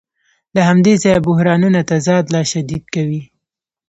له همدې ځایه بحرانونه تضاد لا شدید کوي